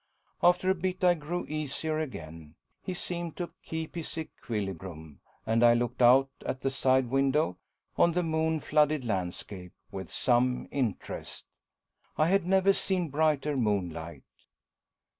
After a bit I grew easier again; he seemed to keep his equilibrium, and I looked out at the side window on the moon flooded landscape, with some interest. I had never seen brighter moonlight.